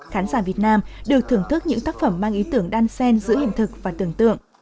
khán giả việt nam được thưởng thức những tác phẩm mang ý tưởng đan sen giữa hình thực và tưởng tượng